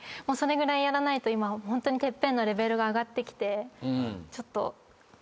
それぐらいやらないと今ホントにＴＥＰＰＥＮのレベルが上がってきてちょっと。